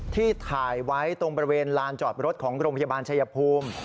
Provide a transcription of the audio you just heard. ที่ถ่ายไว้ตรงบริเวณลานจอดรถของโรงพยาบาลชายภูมิ